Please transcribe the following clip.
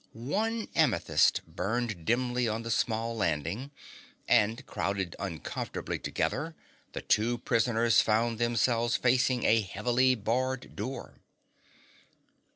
One amethyst burned dimly on the small landing, and crowded uncomfortably together the two prisoners found themselves facing a heavily barred door.